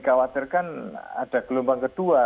kewatirkan ada gelombang kedua